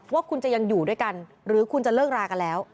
ว่าคุณจะยังอยู่ด้วยกันหรือคุณจะเลิกรากันแล้ว